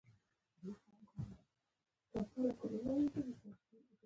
وادي د افغانستان د ځمکې د جوړښت نښه ده.